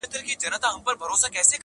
آسمانه واخله ککرۍ درغلې؛